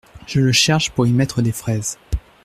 Je le cherche pour y mettre des fraises.